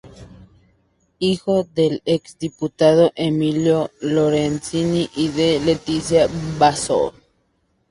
Hijo del exdiputado Emilio Lorenzini y de Leticia Basso.